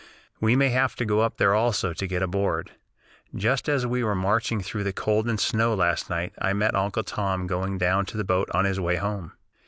We may have to go up there also to get aboard. Just as we were marching through the cold and snow last night I met Uncle Tom going down to the boat on his way home.